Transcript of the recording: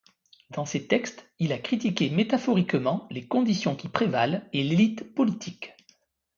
Dans ses textes, il a critiqué métaphoriquement les conditions qui prévalent et l'élite politique.